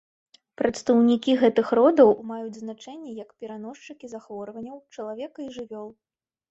Прадстаўнікі гэтых родаў маюць значэнне як пераносчыкі захворванняў чалавека і жывёл.